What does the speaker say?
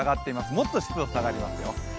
もっと湿度下がりますよ。